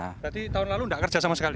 berarti tahun lalu tidak kerja sama sekali